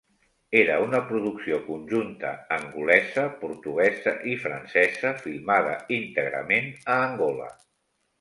Era una producció conjunta angolesa, portuguesa i francesa filmada íntegrament a Angola.